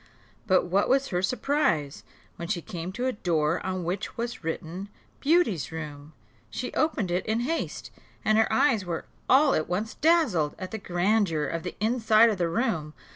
But what was her surprise, when she came to a door on which was written, Beauty's room! She opened it in haste, and her eyes were all at once dazzled at the grandeur of the inside of the room.